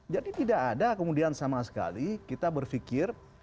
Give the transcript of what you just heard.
jadi tidak ada kemudian sama sekali kita berfikir